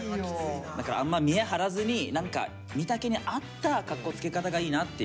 だからあんま見え張らずに身丈に合ったかっこつけ方がいいなっていう。